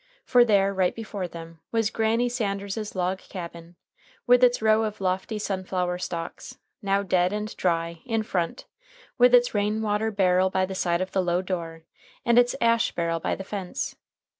For there, right before them, was Granny Sanders's log cabin, with its row of lofty sunflower stalks, now dead and dry, in front, with its rain water barrel by the side of the low door, and its ash barrel by the fence.